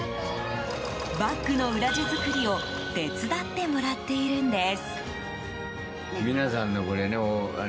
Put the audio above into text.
バッグの裏地作りを手伝ってもらっているんです。